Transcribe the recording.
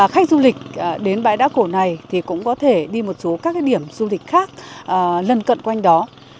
khách du lịch đến bãi đá cổ này thì cũng có thể đi một số các điểm du lịch khác lân cận quanh đó